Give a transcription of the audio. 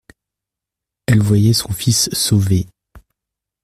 Elle voyait son fils sauvé.